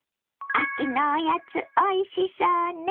秋のおやつおいしそうね。